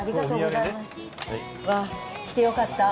わあ来てよかった。